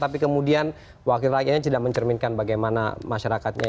tapi kemudian wakil rakyatnya tidak mencerminkan bagaimana masyarakatnya